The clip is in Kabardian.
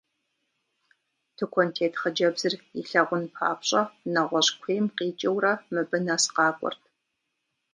Тыкуэнтет хъыджэбзыр илъагъун папщӏэ, нэгъуэщӏ куейм къикӏыурэ мыбы нэс къакӏуэрт.